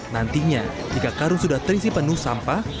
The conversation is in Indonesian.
nantinya jika karung sudah terisi penuh sampah